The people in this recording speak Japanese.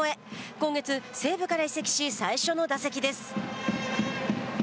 今月、西武から移籍し最初の打席です。